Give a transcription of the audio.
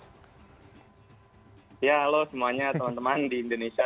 ya halo semuanya teman teman di indonesia